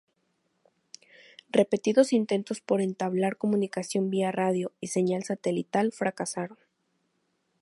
Repetidos intentos por entablar comunicación vía radio y señal satelital fracasaron.